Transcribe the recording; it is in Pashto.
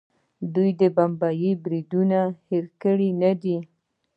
دوی د ممبۍ بریدونه هیر کړي نه دي.